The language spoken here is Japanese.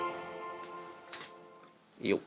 よっ。